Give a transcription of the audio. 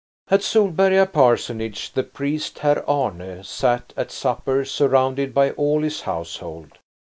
II At Solberga parsonage the priest, Herr Arne, sat at supper surrounded by all his household.